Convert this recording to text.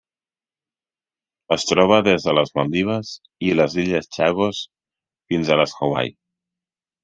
Es troba des de les Maldives i les Illes Chagos fins a les Hawaii.